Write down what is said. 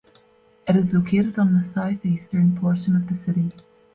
It is located on the southeastern portion of the city.